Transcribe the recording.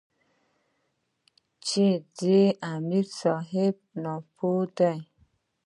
چې ځه امیر صېب ناپوهَ دے ـ